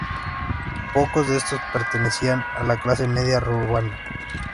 Pocos de estos pertenecían a la clase media rumana.